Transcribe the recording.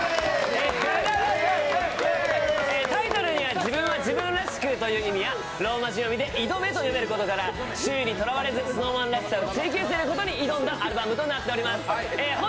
タイトルには自分は自分らしくという意味やローマ字読みでイドメと読めることから周囲にとらわれず、ＳｎｏｗＭａｎらしさを追求したアルバムとなっております。